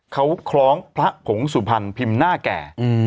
เขาคล้องพระผงสุพรรณพิมพ์หน้าแก่